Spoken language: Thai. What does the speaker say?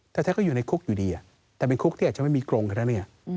แต่แท้ก็อยู่ในคุกอยู่ดีอะแต่เป็นคุกที่อาจจะไม่มีกรงขนาดนี้